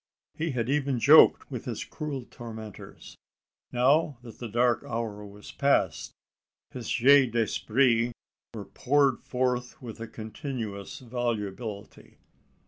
He had even joked with his cruel tormentors! Now that the dark hour was past, his jeux d'esprit were poured forth with a continuous volubility.